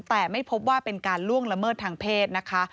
แต่ไม่พบว่าเป็นการล่วงละเมิดทางเพศนะคะ